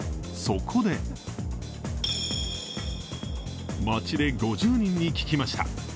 そこで街で５０人に聞きました。